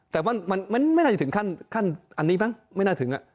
แต่ว่ามันไม่น่าจะถึงขั้นอันนี้มั้งไม่น่าถึง